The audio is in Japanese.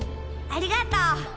ありがとう。